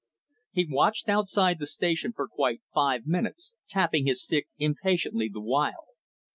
He waited outside the station for quite five minutes, tapping his stick impatiently the while.